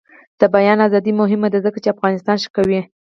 د بیان ازادي مهمه ده ځکه چې افغانستان ښه کوي.